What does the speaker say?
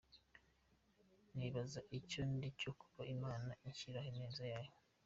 Nibaza icyo ndicyo kuba Imana inshyiraho ineza yayo.